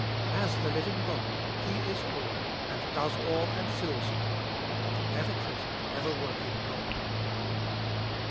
As the living God, He is all, and does all and fills all — the ever present, ever working God.